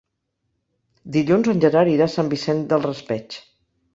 Dilluns en Gerard irà a Sant Vicent del Raspeig.